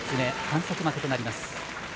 反則負けとなります。